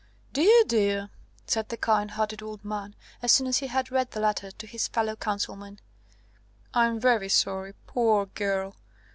"Dear, dear!" said the kind hearted old man, as soon as he had read the letter to his fellow councilmen: "I'm very sorry. Poor girl!